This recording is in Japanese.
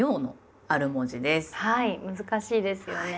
難しいですよね。